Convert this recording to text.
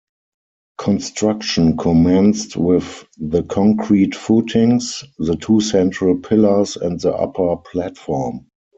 Construction commenced with the concrete footings, the two central pillars and the upper platform.